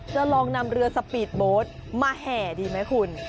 จะลองนำเรือสปีดโบสต์มาแห่ดีไหมคุณ